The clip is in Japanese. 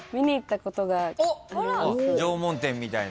縄文展みたいな？